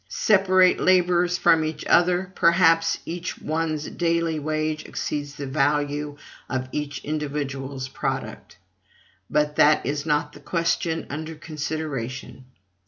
Separate laborers from each other, perhaps each one's daily wage exceeds the value of each individual's product; but that is not the question under consideration.